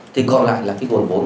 thì đều là vấn đề giải phóng